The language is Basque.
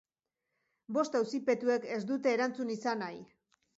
Bost auzipetuek ez dute erantzun izan nahi.